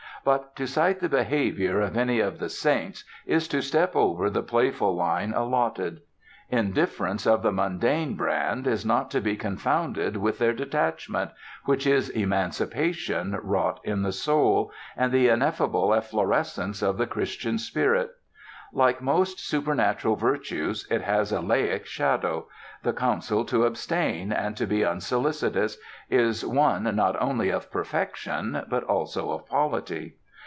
But to cite the behavior of any of the saints is to step over the playful line allotted. Indifference of the mundane brand is not to be confounded with their detachment, which is emancipation wrought in the soul, and the ineffable efflorescence of the Christian spirit. Like most supernatural virtues, it has a laic shadow; the counsel to abstain, and to be unsolicitous, is one not only of perfection, but also of polity.